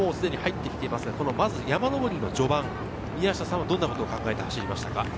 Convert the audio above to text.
山上りの序盤、宮下さんはどんなことを考えて走りましたか？